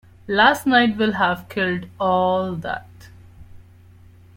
Last night will have killed all that.